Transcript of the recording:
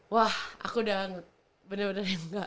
wah aku udah bener bener